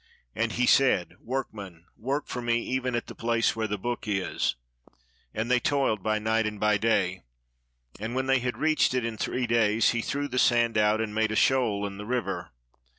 And he said, "Workmen, work for me, even at the place where the book is." And they toiled by night and by day ; and when they had reached it in three days, he threw the sand out and made a shoal in the river.